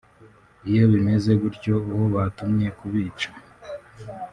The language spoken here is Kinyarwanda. Iyo bimeze gutyo uwo batumye kubica